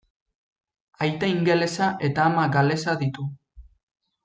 Aita ingelesa eta ama galesa ditu.